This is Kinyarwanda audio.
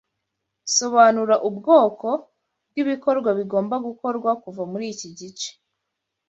Sobanura ubwoko bwibikorwa bigomba gukorwa kuva muri iki gice